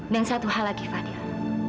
dan satu hal lagi fadil